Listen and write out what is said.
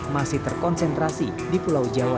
masih terkonsentrasi di pulau jawa